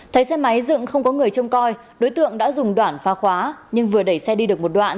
thấy xe máy dựng không có người trông coi đối tượng đã dùng đoạn phá khóa nhưng vừa đẩy xe đi được một đoạn